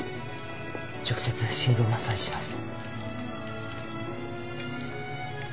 直接心臓マッサージします。